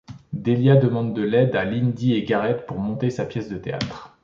Delia demande de l'aide à Lindy et Garrett pour monter sa pièce de théâtre.